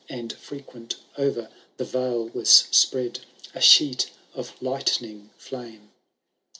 And frequent o*er the vale was spread A sheet of lightning flame.